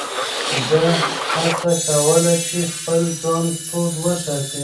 ده هڅه کوله چې خپل ځان تود وساتي.